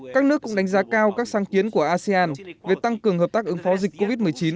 các nước cũng đánh giá cao các sáng kiến của asean về tăng cường hợp tác ứng phó dịch covid một mươi chín